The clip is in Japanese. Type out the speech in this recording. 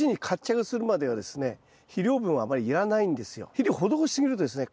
肥料を施し過ぎるとですね